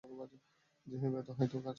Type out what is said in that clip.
যাইহোক, এতে হয়তো কাজ হবে।